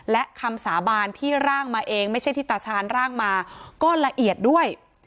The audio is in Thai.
และคำสาบานที่ร่างมาเองไม่ใช่ที่ตาชาญร่างมาก็ละเอียดด้วย